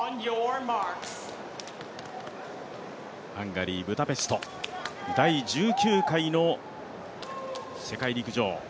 ハンガリー・ブダペスト、第１９回の世界陸上。